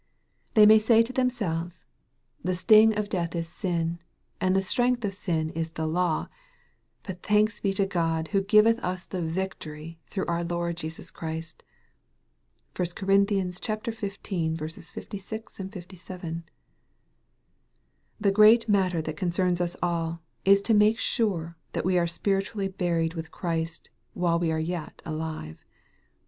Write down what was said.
They may say to themselves, " the sting of death is sin, and the strength of sin is the law : but thanks be to God who giveth us the victory through our Lord Jesus Christ." (1 Cor. xv. 56, 57.) The great matter that concerns us all, is to make sure that we are spiritually buried with Christ, while we are yet alive.